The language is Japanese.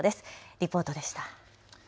リポートでした。